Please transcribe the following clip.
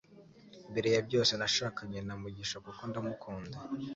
Mbere ya byose, nashakanye na Mugisha kuko ndamukunda.